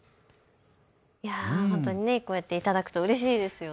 本当にこうやって頂くとうれしいですよね。